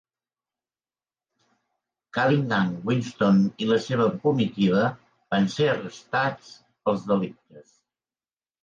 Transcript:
Calighan, Winston i la seva comitiva van ser arrestats pels delictes.